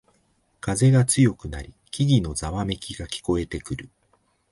風が強くなり木々のざわめきが聞こえてくる